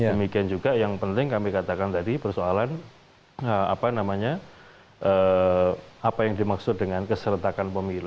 demikian juga yang penting kami katakan tadi persoalan apa yang dimaksud dengan keseretakan pemilu